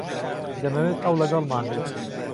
دەمەوێت ئەو لەگەڵمان بێت.